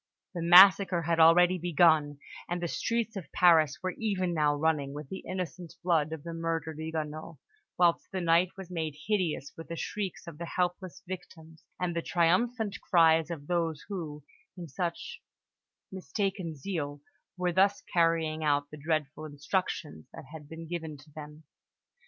The massacre had already begun, and the streets of Paris were even now running with the innocent blood of the murdered Huguenots, whilst the night was made hideous with the shrieks of the helpless victims and the triumphant cries of those who, in such mistaken zeal, were thus carrying out the dreadful instructions that had been given to them.